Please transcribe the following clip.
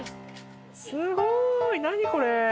すごい何これ。